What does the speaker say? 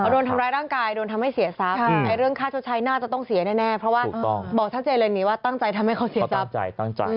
โดนทำร้ายร่างกายโดนทำให้เสียทรัพย์เรื่องค่าชดใช้น่าจะต้องเสียแน่เพราะว่าบอกชัดเจนเลยนี่ว่าตั้งใจทำให้เขาเสียใจตั้งใจ